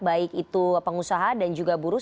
baik itu pengusaha dan juga buruh